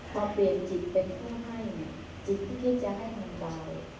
พอเปลี่ยนจิตเป็นข้อให้เนี่ยจิตที่แค่จะให้มันเบา